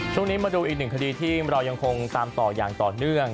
ช่วงนี้มาดูอีกหนึ่งคดีที่เรายังคงตามต่ออย่างต่อเนื่อง